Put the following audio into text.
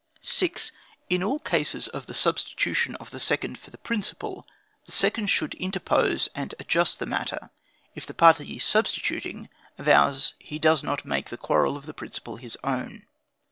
6. In all cases of the substitution of the second for the principal, the seconds should interpose and adjust the matter, if the party substituting avows he does not make the quarrel of his principal his own.